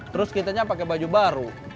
terus kitanya pakai baju baru